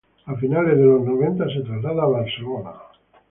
A finales de los noventa se traslada a Barcelona.